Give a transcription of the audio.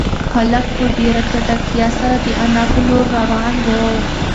هلک په ډېره چټکتیا سره د انا په لور روان و.